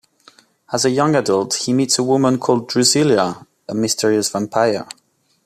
As a young adult, he meets a woman called Drusilla, a mysterious vampire.